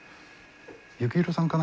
幸宏さんかな？